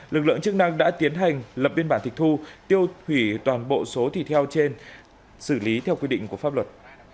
lực lượng chức năng đã tiến hành lập biên bản tịch thu tiêu hủy toàn bộ số thịt heo trên xử lý theo quy định của pháp luật